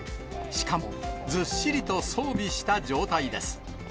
しかも、ずっしりと装備した状態です。